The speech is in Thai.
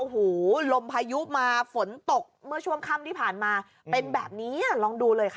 โอ้โหลมพายุมาฝนตกเมื่อช่วงค่ำที่ผ่านมาเป็นแบบนี้ลองดูเลยค่ะ